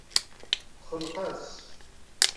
Texneq-as.